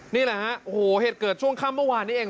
นี่แหละฮะโอ้โหเหตุเกิดช่วงค่ำเมื่อวานนี้เอง